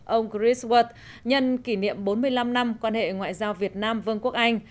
ông chris wood nhân kỷ niệm bốn mươi năm năm quan hệ ngoại giao việt nam vương quốc anh